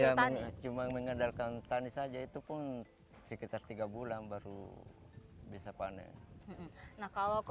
ya cuma mengandalkan tani saja itu pun sekitar tiga bulan baru bisa panen